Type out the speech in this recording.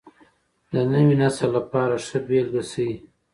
د نوي نسل لپاره ښه بېلګه شئ.